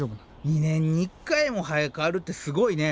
２年に１回も生え変わるってすごいね。